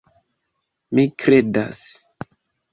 Mi kredas!